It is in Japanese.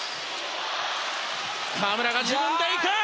河村が自分でいく！